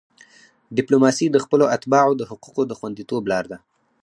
ډیپلوماسي د خپلو اتباعو د حقوقو د خوندیتوب لار ده.